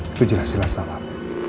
itu jelas jelas salah